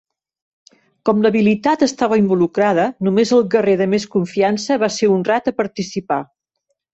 Com l'habilitat estava involucrada, només el guerrer de més confiança va ser honrat a participar.